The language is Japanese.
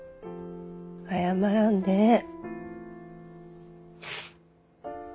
謝らんでええ。